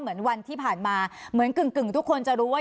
เหมือนวันที่ผ่านมาเหมือนกึ่งทุกคนจะรู้ว่า